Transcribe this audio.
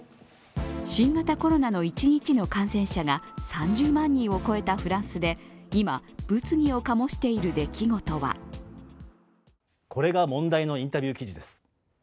新型コロナの一日の感染者が３０万人を超えたフランスで今、物議を醸している出来事はこれが問題のインタビュー記事です。